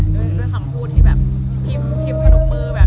ด้วยคำพูดที่แบบพิมพ์สนุกมือแบบ